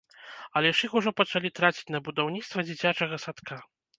Але ж іх ужо пачалі траціць на будаўніцтва дзіцячага садка!